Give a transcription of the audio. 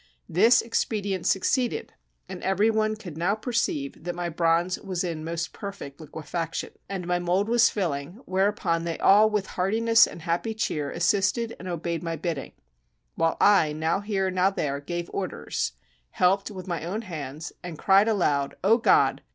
This expedient succeeded, and every one could now perceive that my bronze was in most perfect liquefaction, and my mold was filling; whereupon they all with heartiness and happy cheer assisted and obeyed my bidding, while I, now here, now there, gave orders, helped with my own hands, and cried aloud, "O God!